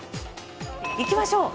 行きましょう。